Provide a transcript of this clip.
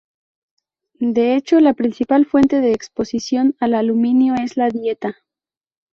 De hecho, la principal fuente de exposición al aluminio es la dieta.